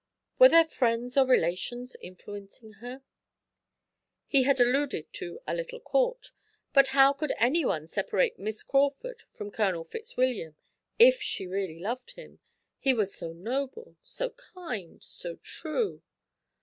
Were there friends or relations influencing her? He had alluded to "a little court." But how could anyone separate Miss Crawford from Colonel Fitzwilliam, if she really loved him, he so noble, so kind, so true?